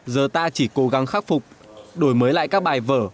giờ ta chỉ cố gắng khắc phục đổi mới lại các bài vở